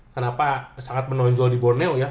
kenapa sangat menonjol di borneo ya